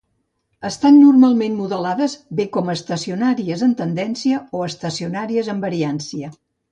Estan normalment modelades bé com a estacionàries en tendència o estacionàries en variància.